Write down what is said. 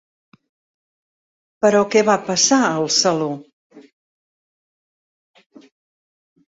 Però què va passar al saló?